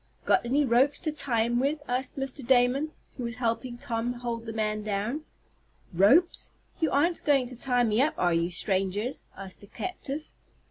"Got any ropes to tie him with?" asked Mr. Damon, who was helping Tom hold the man down. "Ropes? You aren't going to tie me up are you, strangers?" asked the captive.